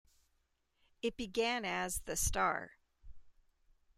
It began as "The Star".